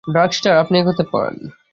Darkstar, আপনি এগোতে পারেন।